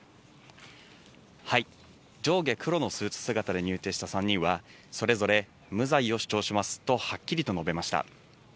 上下黒のスーツ姿で入廷した３人は、それぞれ無罪を主張しますと、はっきりと述べました。